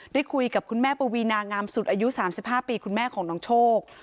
ได้คุยกับคุณแม่ปวีนางามสุดอายุ๓๕ปีคุณแม่ของน้องโชค